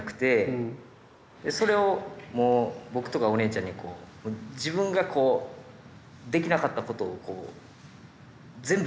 それをもう僕とかお姉ちゃんにこう自分ができなかったことを全部こう。